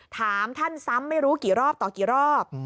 ถามท่านซ้ำไม่รู้กี่รอบต่อกี่รอบ